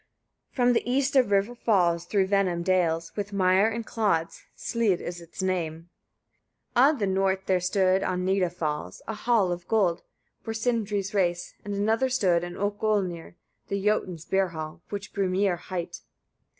40. From the east a river falls, through venom dales, with mire and clods, Slîd is its name. 41. On the north there stood, on Nida fells, a hall of gold, for Sindri's race; and another stood in Okôlnir, the Jötuns beer hall which Brîmir hight.